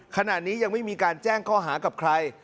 ขณะนี้ยังไม่มีการแจ้งข้อหากับใคร